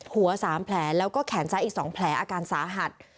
หัว๓แผลแล้วก็แขนซ้ายอีก๒แผลอาการสาหัส